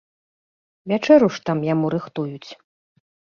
Вячэру ж там яму рыхтуюць.